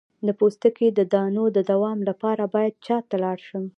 د پوستکي د دانو د دوام لپاره باید چا ته لاړ شم؟